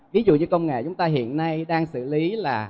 ví dụ như công nghệ chúng ta hiện nay đang xử lý là